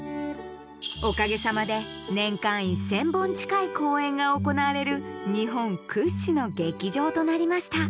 おかげさまで年間１０００本近い公演が行われる日本屈指の劇場となりました。